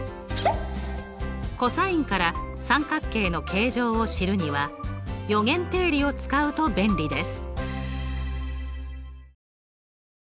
ｃｏｓから三角形の形状を知るには余弦定理を使うと便利です。